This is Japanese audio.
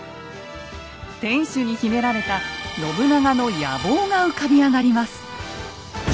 天主に秘められた信長の野望が浮かび上がります。